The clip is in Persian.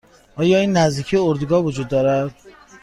آیا این نزدیکی اردوگاه وجود دارد؟